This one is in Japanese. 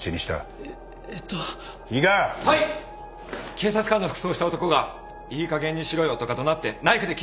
警察官の服装をした男がいいかげんにしろよとか怒鳴ってナイフで切りかかりました。